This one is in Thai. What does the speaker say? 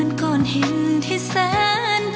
อินโทรเพลงที่๓มูลค่า๔๐๐๐๐บาทมาเลยครับ